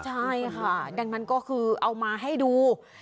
ใช่ค่ะดังนั้นก็คือเอามาให้ดู